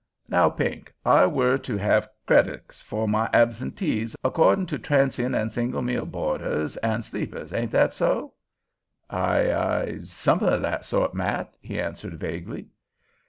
Now, Pink, I were to have credics for my absentees 'cordin' to transion an' single meal bo'ders an' sleepers; ain't that so?" "I—I—somethin' o' that sort, Matt," he answered vaguely.